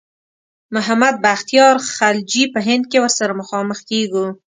محمد بختیار خلجي په هند کې ورسره مخامخ کیږو.